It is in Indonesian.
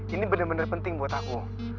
ini bener bener penting buat aku